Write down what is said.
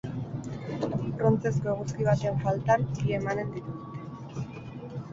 Brontzezko eguzki baten faltan, bi emanen dituzte.